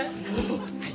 はい。